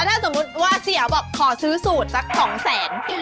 แล้วถ้าสมมุติว่าเสียบอกขอซื้อสูตรสัก๒๐๐๐๐๐บาท